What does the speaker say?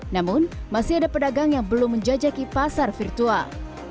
namun masih ada pedagang yang belum menjajaki pasar virtual